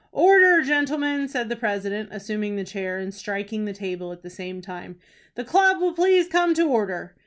"Order, gentlemen!" said the president, assuming the chair, and striking the table at the same time. "The club will please come to order."